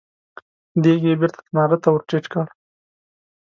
دېګ يې بېرته تناره ته ور ټيټ کړ.